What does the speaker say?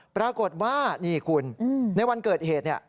ปรากฏว่านี่คุณในวันเกิดเหตุเนี่ย